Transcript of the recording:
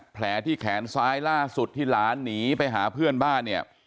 แผลที่แขนซ้ายล่าสุดที่หลานหนีไปหาเพื่อนบ้านเนี่ย